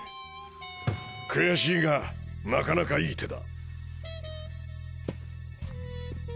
悔しいがなかなかいい手だ。